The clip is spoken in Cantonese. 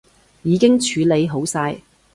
已經處理好晒